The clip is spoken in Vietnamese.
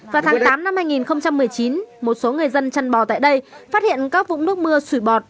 vào tháng tám năm hai nghìn một mươi chín một số người dân chăn bò tại đây phát hiện các vũng nước mưa sủi bọt